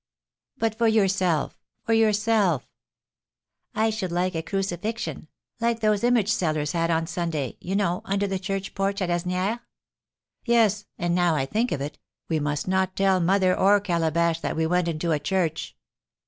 "But for yourself, for yourself." "I should like a crucifixion, like those image sellers had on Sunday, you know, under the church porch at Asnières." "Yes; and, now I think of it, we must not tell mother or Calabash that we went into a church."